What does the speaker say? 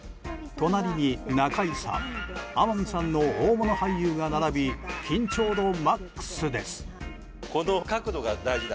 隣に中井さん、天海さんの大物俳優が並び緊張度マックスです。